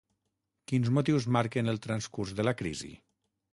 Quins motius marquen el transcurs de la crisi?